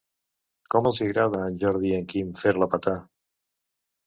Com els hi agrada a en Jordi i en Quim fer-la petar.